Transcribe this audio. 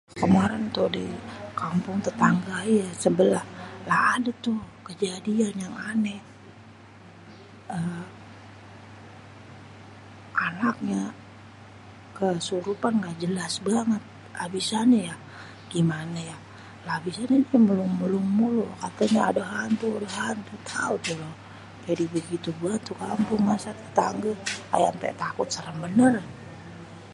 "Kemarin di kampung tetangga sebelah, lah ada tuh kejadian yang aneh. eee Anaknya kesurupan ngga jelas banget, abisannya yak gimana yak abisnya mulung-mulung mulu katanya ""ada hantu ada hantu"" tau tu orang jadi begitu bét tu kampung, masa tetangge ayé ampe takut serem bener."